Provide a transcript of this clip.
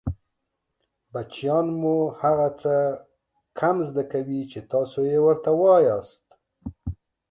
بچیان مو هغه څه کم زده کوي چې تاسې يې ورته وایاست